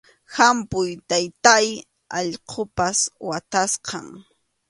¡Hampuy, taytáy, allqupas watasqam!